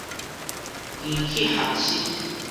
機器學習